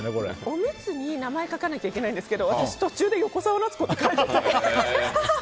おむつに名前を書かないといけないんですけど私、途中で横澤夏子って書いててああー！